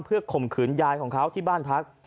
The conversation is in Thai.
เพื่อข่มขืนยายของเขาที่บ้านพัก